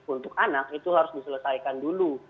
untuk anak itu harus diselesaikan dulu